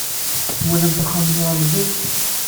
Twalamt axxam-nni amellal?